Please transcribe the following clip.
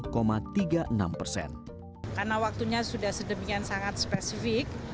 karena waktunya sudah sedemikian sangat spesifik